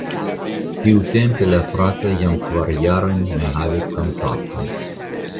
Tiutempe la fratoj jam kvar jarojn ne havis kontakton.